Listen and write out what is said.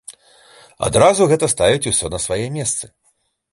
Адразу гэта ставіць усё на свае месцы.